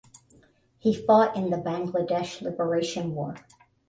He fought in the Bangladesh Liberation war.